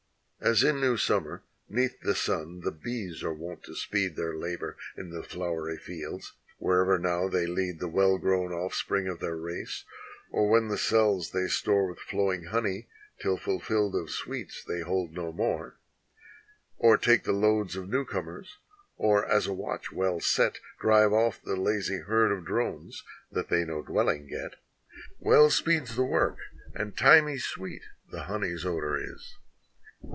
As in new summer 'neath the sun the bees are wont to speed Their labor in the flowery fields, wherever now they lead The well grown offspring of their race, or when the cells they store With flowing honey, till fulfilled of sweets they hold no more; Or take the loads of newcomers, or as a watch well set Drive off the lazy herd of drones that they no dwelling get; Well speeds the work, and thymy sweet the honey's odor is.